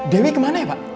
dewi kemana ya pak